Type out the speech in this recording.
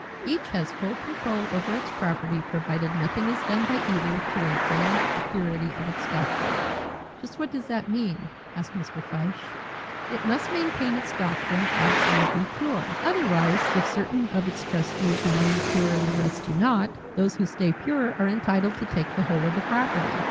Each has full control over its property provided nothing is done by either to infringe the purity of its doctrine." "Just what does that mean?" asked Mr. Fyshe. "It must maintain its doctrine absolutely pure. Otherwise if certain of its trustees remain pure and the rest do not, those who stay pure are entitled to take the whole of the property.